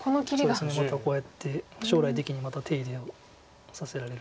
そうですねまたこうやって将来的にまた手入れをさせられるんで。